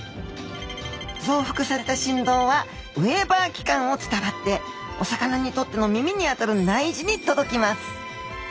ぞうふくされたしんどうはウェーバー器官を伝わってお魚にとっての耳にあたる内耳に届きます。